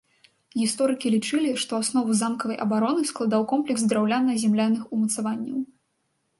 Гісторыкі лічылі, што аснову замкавай абароны складаў комплекс драўляна-земляных умацаванняў.